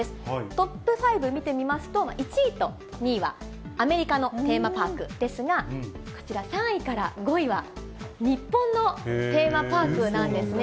トップ５見てみますと、１位と２位はアメリカのテーマパークですが、こちら３位から５位は、日本のテーマパークなんですね。